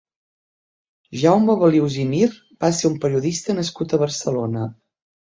Jaume Balius i Mir va ser un periodista nascut a Barcelona.